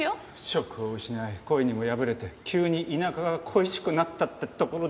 職を失い恋にも破れて急に田舎が恋しくなったってところですかっ？